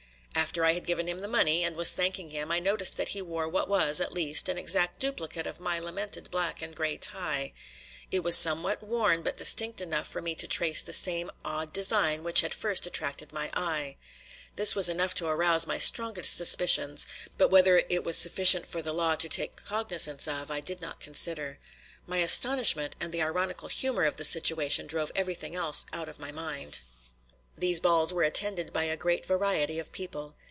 After I had given him the money, and was thanking him, I noticed that he wore what was, at least, an exact duplicate of my lamented black and gray tie. It was somewhat worn, but distinct enough for me to trace the same odd design which had first attracted my eye. This was enough to arouse my strongest suspicions, but whether it was sufficient for the law to take cognizance of I did not consider. My astonishment and the ironical humor of the situation drove everything else out of my mind. These balls were attended by a great variety of people.